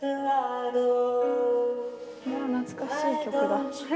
懐かしい曲だ。